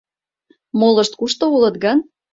Молышт кушто улыт гын?